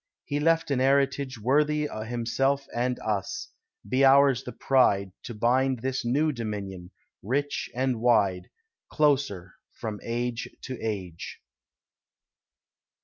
He left an heritage Worthy himself and us; be ours the pride To bind this new Dominion, rich and wide Closer from age to age.